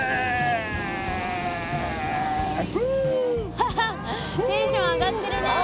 ハハテンション上がってるね。